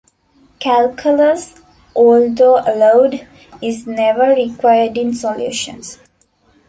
Calculus, although allowed, is never required in solutions.